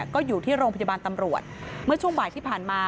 ก็อยู่ที่โรงพยาบาลตำรวจเมื่อช่วงบ่ายที่ผ่านมา